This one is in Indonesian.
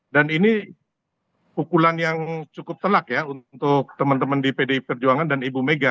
dan ini ukulan yang cukup telak ya untuk teman teman di pdip perjuangan dan ibu megah